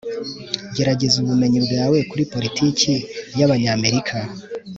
gerageza ubumenyi bwawe kuri politiki y'abanyamerika